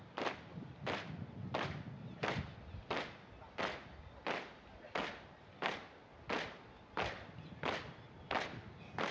laporan komandan upacara kepada inspektur upacara